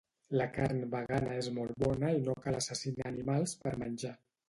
La carn vegana és molt bona i no cal assassinar animals per menjar